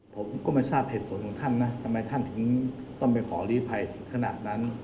ผมก็ไม่ทราบเหตุผลของท่านนะทำไมท่านถึงต้องไปขอลีภัยถึงขนาดนั้น